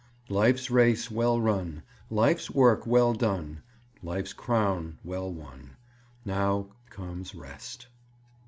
Life's race well run, Life's work well done, Life's crown well won, Now comes rest.